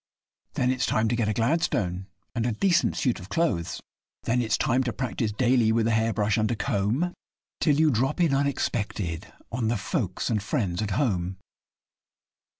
Then it's time to get a 'Gladstone' and a decent suit of clothes; Then it's time to practise daily with a hair brush and a comb, Till you drop in unexpected on the folks and friends at home.